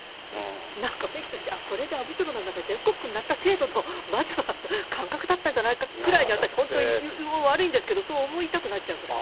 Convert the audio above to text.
なんか雰囲気として、これで阿武町なんか、全国区になった程度の、まずは、感覚だったんじゃないかってくらいな私、本当に、悪いんですけど、そう思いたくなっちゃうぐらい。